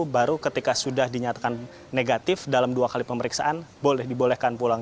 baru ketika sudah dinyatakan negatif dalam dua kali pemeriksaan boleh dibolehkan pulang